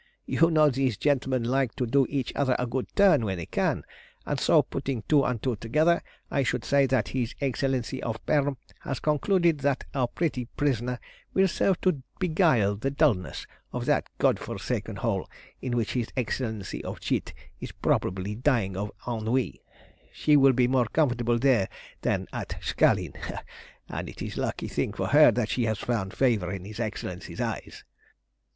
"You know these gentlemen like to do each other a good turn when they can, and so, putting two and two together, I should say that his Excellency of Perm has concluded that our pretty prisoner will serve to beguile the dulness of that Godforsaken hole in which his Excellency of Tchit is probably dying of ennui. She will be more comfortable there than at Sakhalin, and it is a lucky thing for her that she has found favour in his Excellency's eyes."